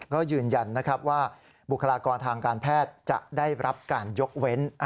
ก็ยืนยันนะครับว่าบุคลากรทางการแพทย์จะได้รับการยกเว้น